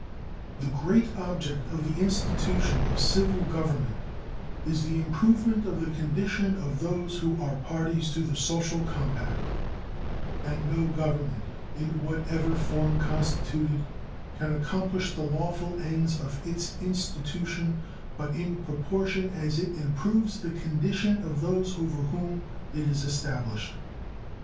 The great object of the institution of civil government is the improvement of the condition of those who are parties to the social compact, and no government, in what ever form constituted, can accomplish the lawful ends of its institution but in proportion as it improves the condition of those over whom it is established.